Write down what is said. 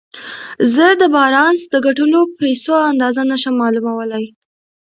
زه د بارنس د ګټلو پيسو اندازه نه شم معلومولای.